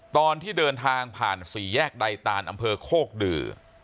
ตอนที่เดินทางผ่านสี่แยกใดตานอำเภอโคกดือ